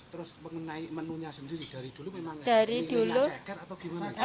terus mengenai menunya sendiri dari dulu memang ceker atau gimana